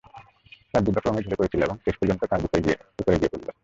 তার জিহবা ক্রমেই ঝুলে পড়ছিল এবং তা শেষ পর্যন্ত বুকের উপর গিয়ে পড়ল।